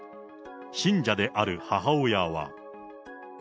信者である母親は。